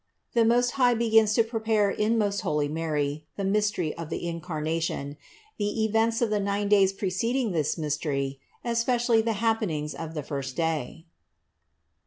THE MOST HIGH BEGINS TO PREPARE IN MOST HOLY MARY THE MYSTERY OF THE INCARNATION ; THE EVENTS OF THE NINE DAYS PRECEDING THIS MYSTERY, ES PECIALLY THE HAPPENINGS OF THE FIRST DAY.